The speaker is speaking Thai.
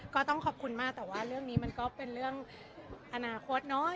ก็ต้องขอบคุณมากแต่ว่าเรื่องนี้มันก็เป็นเรื่องอนาคตเนาะ